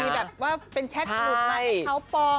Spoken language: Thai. มันเคยมีแบบว่าเป็นแชร์จุดมาให้เขาปลอม